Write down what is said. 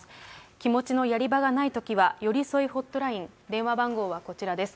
気持ちのやり場がないときは、よりそいホットライン、電話番号はこちらです。